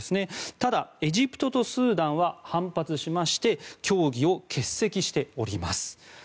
ただ、エジプトとスーダンは反発しまして協議を欠席しております。